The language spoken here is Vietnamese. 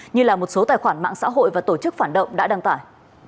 như là một số tài khoản mạng xã hội và tổ chức phản động đã đăng tải